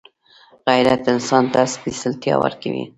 غیرت انسان ته سپېڅلتیا ورکوي